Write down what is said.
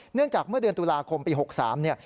เนื่องจากเมื่อเดือนตุลาคมปี๖๓เนี่ย